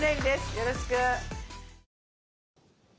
よろしく。